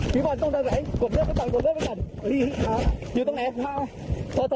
พี่บ่นต้องถาไหนปรบเลือกไปต่อปรบเลือกไปต่อ